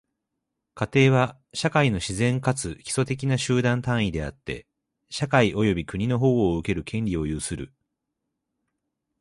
家庭は、社会の自然かつ基礎的な集団単位であって、社会及び国の保護を受ける権利を有する。